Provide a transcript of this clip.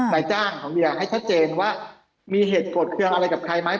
นายจ้างของเวียให้ชัดเจนว่ามีเหตุโกรธเครื่องอะไรกับใครไหม